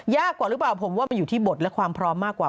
กว่าหรือเปล่าผมว่ามันอยู่ที่บทและความพร้อมมากกว่า